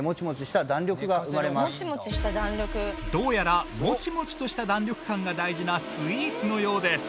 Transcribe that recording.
どうやらモチモチとした弾力感が大事なスイーツのようです。